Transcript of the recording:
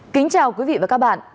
xin chào quý vị và các bạn